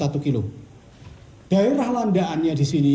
lantai yang menunjukkan total panjang dari mahkota longsor sampai dengan pucuk di sini